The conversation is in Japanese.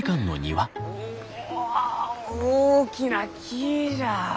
お大きな木じゃ！